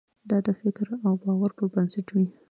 دا د فکر او باور پر بنسټ وي.